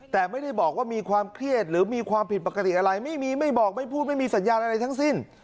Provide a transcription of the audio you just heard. แต่ไม่ได้บอกว่ามีความเครียดหรือมีความผิดปกติอะไรไม่มีไม่บอกไม่พูดไม่มีสัญญาณอะไรทั้งสิ้น